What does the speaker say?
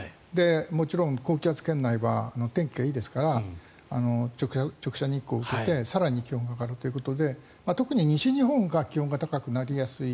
もちろん高気圧圏内は天気がいいですから直射日光を受けて更に気温が上がるということで特に西日本が気温が高くなりやすい。